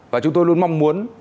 và chúng tôi luôn mong muốn